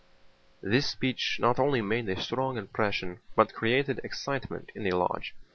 This speech not only made a strong impression, but created excitement in the lodge.